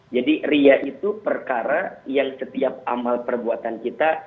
jadi riya itu perkara yang setiap amal perbuatan kita